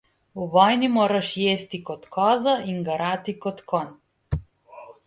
V vojni moraš jesti kot koza in garati kot konj.